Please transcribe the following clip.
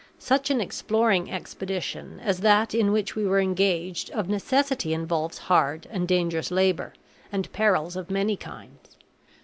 Such an exploring expedition as that in which we were engaged of necessity involves hard and dangerous labor, and perils of many kinds.